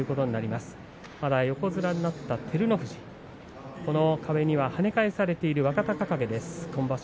まだ横綱になった照ノ富士のその壁には跳ね返されている若隆景です。